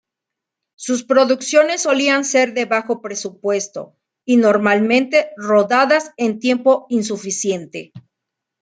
Sus producciones solían ser de bajo presupuesto y, normalmente, rodadas en tiempo insuficiente.